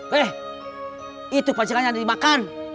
weh itu pacingan yang dimakan